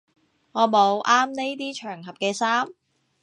我冇啱呢啲場合嘅衫